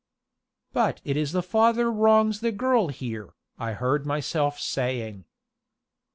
"But it is the father wrongs the girl here," I heard myself saying.